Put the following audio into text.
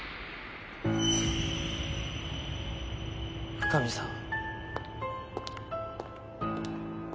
深水さん。